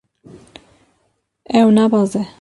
Ew nabeze.